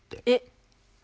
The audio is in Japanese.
えっ。